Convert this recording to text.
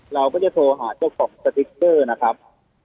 เราก็จะโทรหาเจ้าของสติ๊กเกอร์นะครับ